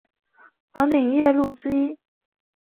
黄顶夜鹭之一。